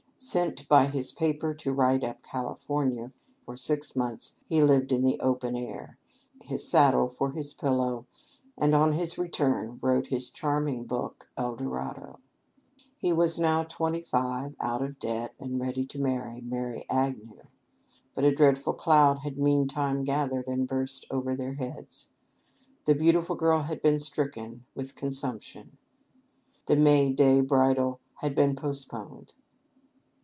Sent by his paper to write up California, for six months he lived in the open air, his saddle for his pillow, and on his return wrote his charming book "El dorado." He was now twenty five, out of debt, and ready to marry Mary Agnew. But a dreadful cloud had meantime gathered and burst over their heads. The beautiful girl had been stricken with consumption. The May day bridal had been postponed.